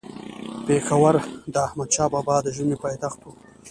پيښور د احمدشاه بابا د ژمي پايتخت وو